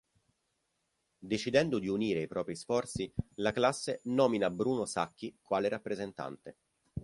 Decidendo di unire i propri sforzi la classe nomina Bruno Sacchi quale rappresentante.